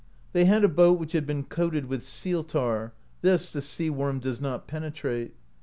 They had a boat which had been coated with seal tar; this the sea worm does not penetrate.